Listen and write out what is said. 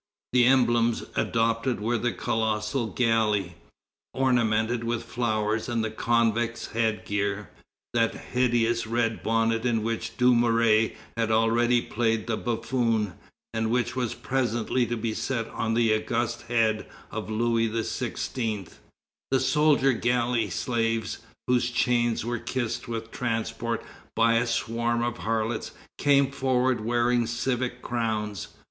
The emblems adopted were a colossal galley, ornamented with flowers, and the convicts' head gear, that hideous red bonnet in which Dumouriez had already played the buffoon, and which was presently to be set on the august head of Louis XVI. The soldier galley slaves, whose chains were kissed with transports by a swarm of harlots, came forward wearing civic crowns.